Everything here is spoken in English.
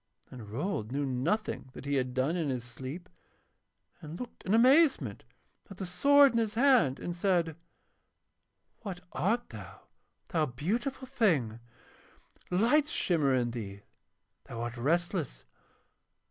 And Rold knew nothing that he had done in his sleep, and looked in amazement at the sword in his hand and said: 'What art thou, thou beautiful thing? Lights shimmer in thee, thou art restless.